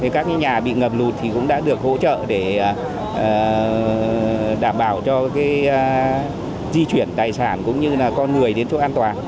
các nhà bị ngập lụt cũng đã được hỗ trợ để đảm bảo cho di chuyển tài sản cũng như là con người đến chỗ an toàn